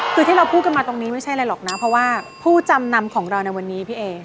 คือที่เราพูดกันมาตรงนี้ไม่ใช่อะไรหรอกนะเพราะว่าผู้จำนำของเราในวันนี้พี่เอ